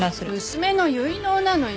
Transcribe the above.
娘の結納なのよ。